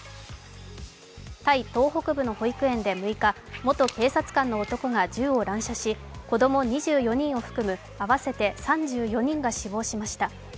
タイ東北部の保育園で６日、元警察官の男が銃を乱射し、子供２４人を含む合わせて３４人が死亡しました。